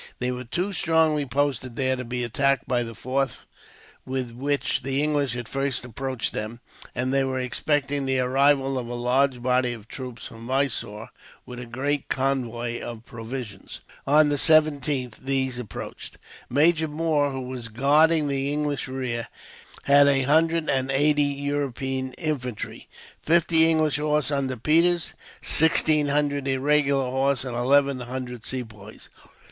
They were too strongly posted there to be attacked by the force with which the English at first approached them, and they were expecting the arrival of a large body of troops from Mysore, with a great convoy of provisions. On the 17th these approached. Major Moore, who was guarding the English rear, had a hundred and eighty European infantry; fifty English horse, under Peters; sixteen hundred irregular horse; and eleven hundred Sepoys.